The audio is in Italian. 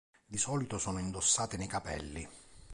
Di solito sono indossate nei capelli.